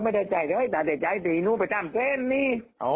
ไม่ได้จ่ายด้วยแต่ได้จ่ายดีซี่นู้นไปจ้ามเจสนี่